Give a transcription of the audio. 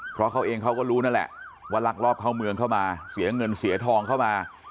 เพราะเขาเองเขาก็รู้นั่นแหละว่าลักลอบเข้าเมืองเข้ามาเสียเงินเสียทองเข้ามา